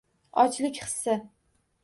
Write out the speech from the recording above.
- Ochlik hissi...